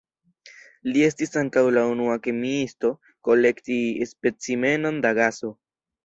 Li estis ankaŭ la unua kemiisto kolekti specimenon da gaso.